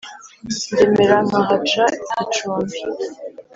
Ndemera nkahaca icumbi.